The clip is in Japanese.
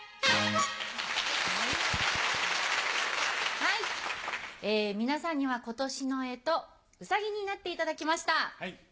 はい皆さんには今年の干支ウサギになっていただきました。